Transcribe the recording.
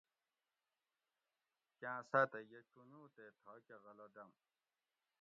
کاں ساۤتہ یہ چونجو تے تھاکہۤ غلہ دم